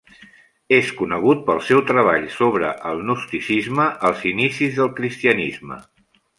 És conegut pel seu treball sobre el gnosticisme als inicis del cristianisme.